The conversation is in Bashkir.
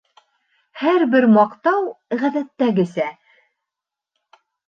Һәр бер маҡтау, ғәҙәттәгесә: